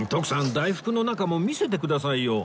大福の中も見せてくださいよ